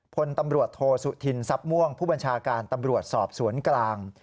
พลตำรวจโทษสุธินทรัพย์ม่วงผู้บัญชาการตำรวจสอบสวนกลาง